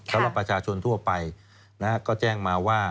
สำหรับประชาชนทั่วไปก็แจ้งมาว่า